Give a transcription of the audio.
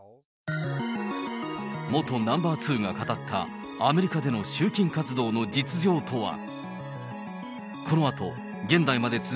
元ナンバー２が語ったアメリカでの集金活動の実情とは。